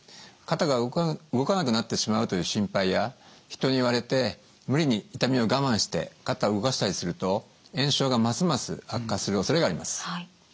肩が動かなくなってしまうという心配や人に言われて無理に痛みを我慢して肩を動かしたりすると炎症がますます悪化するおそれがあります。